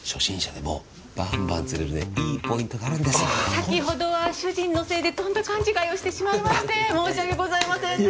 先ほどは主人のせいでとんだ勘違いをしてしまいまして申し訳ございませんでした。